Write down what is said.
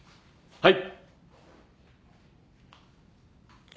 はい。